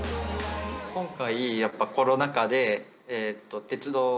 今回やっぱコロナ禍でえっと